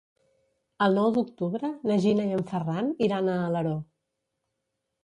El nou d'octubre na Gina i en Ferran iran a Alaró.